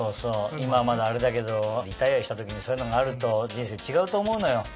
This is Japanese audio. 今はまだあれだけどリタイアした時にそういうのがあると人生違うと思うのよ。